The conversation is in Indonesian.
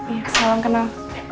ya selalu kenal